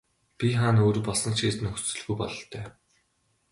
Бие хаа нь өөр болсон ч гэж нөхцөлгүй бололтой.